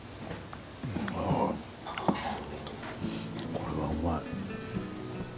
これはうまい。